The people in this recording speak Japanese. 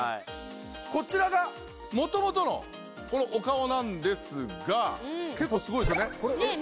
こちらが元々のお顔なんですが結構すごいですよねねえ